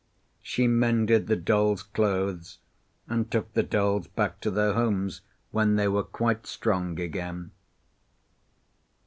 She mended the dolls' clothes and took the dolls back to their homes when they were quite strong again.